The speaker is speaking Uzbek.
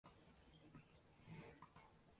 — G’ar qarisa otin bo‘ladi!